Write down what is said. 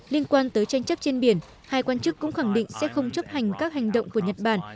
liên quan tới tranh chấp trên biển hai quan chức cũng khẳng định sẽ không chấp hành các hành động của nhật bản